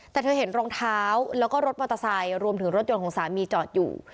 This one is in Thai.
แต่เธอเห็นรองเท้าแล้วก็รถมอเตอร์ไซค์รวมถึงรถยนต์ของสามีจอดอยู่